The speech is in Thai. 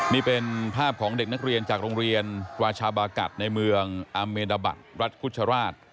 นี่เป็นภาพของเด็กนักเรียนจากโรงเรียนราชาบากัดในเมืองอาเมดาบัตรรัฐคุชราช